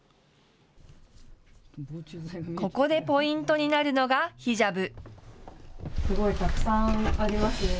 ここでポイントになるのがヒジャブ。